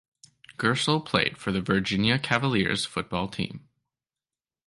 Gerstle played for the Virginia Cavaliers football team.